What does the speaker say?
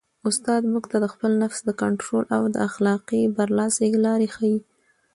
استاد موږ ته د خپل نفس د کنټرول او د اخلاقي برلاسۍ لارې ښيي.